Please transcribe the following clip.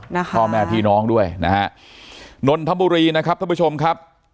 พ่อแม่พี่น้องด้วยนะฮะนนทบุรีนะครับท่านผู้ชมครับ